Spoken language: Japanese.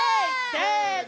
せの！